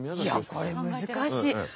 いやこれ難しい。